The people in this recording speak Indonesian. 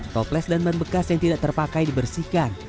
toples dan ban bekas yang tidak terpakai dibersihkan